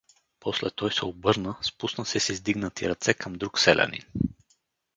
После той се обърна, спусна се с издигнати ръце към друг селянин.